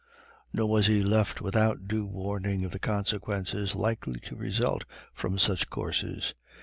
Nor was he left without due warning of the consequences likely to result from such courses.